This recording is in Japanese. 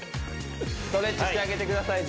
ストレッチしてあげてください